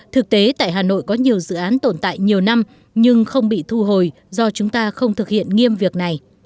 thực tế tại hà nội có nhiều dự án tồn tại nhiều năm nhưng không bị thu hồi do chúng ta không thực hiện nghiêm việc này